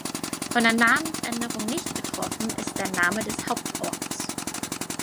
Von der Namensänderung nicht betroffen ist der Name des Hauptorts.